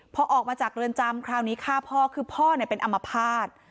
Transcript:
พอออกมาจากเรือนจำคราวนี้ฆ่าพ่อคือพ่อเป็นอมภาษณ์